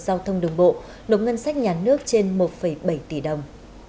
giao thông đường bộ nộp ngân sách nhà nước trên một bảy tỷ đồng